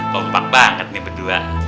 kompak banget nih berdua